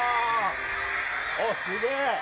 おっ、すげー！